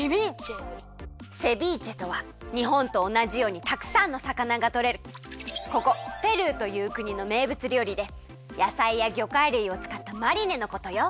セビーチェとはにほんとおなじようにたくさんのさかながとれるここペルーというくにのめいぶつりょうりでやさいやぎょかいるいをつかったマリネのことよ。